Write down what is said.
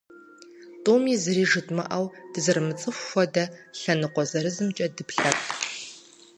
Тӏуми зыри жыдмыӏэу, дызэрымыцӏыху хуэдэ, лъэныкъуэ зырызымкӏэ дыплъэрт.